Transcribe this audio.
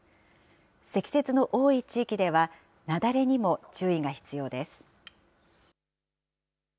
積雪の多い地域では雪崩にも注意が必要です。